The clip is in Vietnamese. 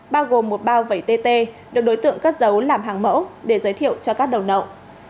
bao gồm một bao vẩy tt được đối tượng cất giấu làm hàng mẫu để giới thiệu cho các đầu nậu